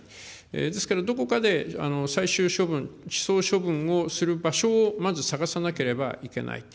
ですからどこかで最終処分、処分する場所を、まず探さなければいけない。